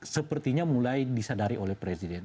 sepertinya mulai disadari oleh presiden